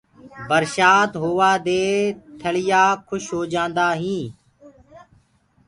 برشآت هووآ دي ٿݪيآ کُش هوجآنٚدآ هينٚ